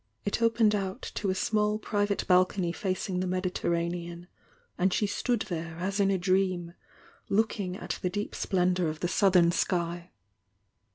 It opened out to a small private balcony facmg fee Mediterranean, and she stood there as in a dream, looking at the deep splendour of the southern sky.